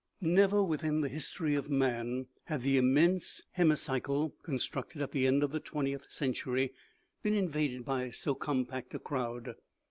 NEVER, within the history of man, had the immense hemicycle, constructed at the end of the twentieth cen tury, been invaded by so compact a crowd.